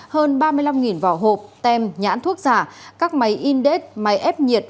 hơn ba mươi năm vỏ hộp tem nhãn thuốc giả các máy in date máy ép nhiệt